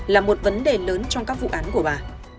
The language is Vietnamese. là một vấn đề lớn trong các vụ án của bà